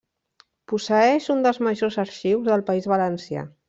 Posseeix un dels majors arxius del País Valencià.